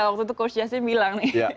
waktu itu coach justin bilang nih